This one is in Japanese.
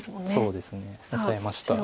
そうですね。オサえました。